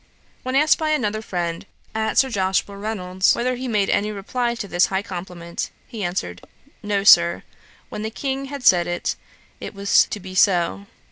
When asked by another friend, at Sir Joshua Reynolds's, whether he made any reply to this high compliment, he answered, 'No, Sir. When the King had said it, it was to be so.